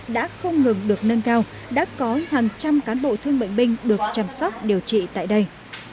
đã không ngừng được nâng cao đã có hàng trăm cán bộ thương bệnh binh được chăm sóc điều trị tại đây